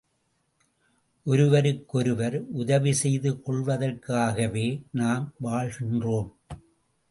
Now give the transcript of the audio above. ஒருவருக்கொருவர் உதவி செய்து கொள்வதற்காகவே, நாம் வாழ்கின்றோம்.